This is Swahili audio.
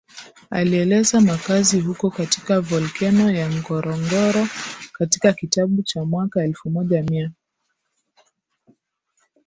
alieleza makazi huko katika volkeno ya Ngorongoro katika kitabu cha mwaka elfu moja mia